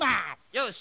よし！